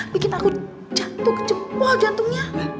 bikin aku jantung ke jempol jantungnya